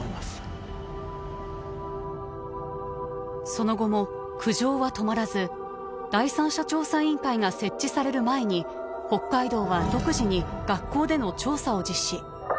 その後も苦情は止まらず第三者調査委員会が設置される前に北海道は独自に学校での調査を実施。